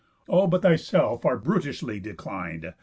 All but thyself are brutishly declin'd.